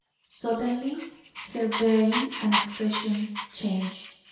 Suddenly her bearing and expression changed.